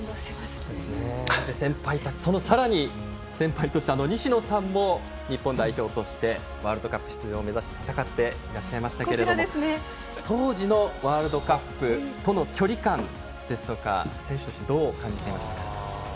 先輩たちそのさらに先輩として西野さんも日本代表としてワールドカップ出場を目指して戦っていらっしゃいましたけども当時のワールドカップとの距離感ですとか、選手としてどう感じていましたか？